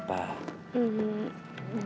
gimana kalau kita pindah rumah